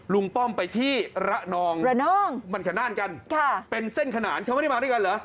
ป้อมไปที่ระนองระนองมันขนานกันค่ะเป็นเส้นขนานเขาไม่ได้มาด้วยกันเหรอ